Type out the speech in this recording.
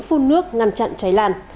phun nước ngăn chặn cháy lan